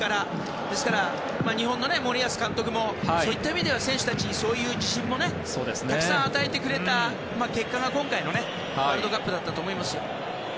ですから、日本の森保監督もそういった意味では選手たちにそういう自信もたくさん与えてくれた結果が、今回のワールドカップだったと思います。